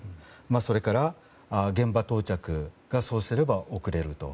それから、現場到着がそうすれば遅れると。